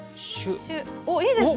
おっいいですね。